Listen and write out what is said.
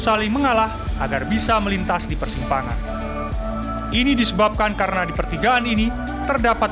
saling mengalah agar bisa melintas di persimpangan ini disebabkan karena di pertigaan ini terdapat